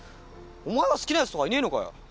お前は好きなヤツとかいねえのかよ？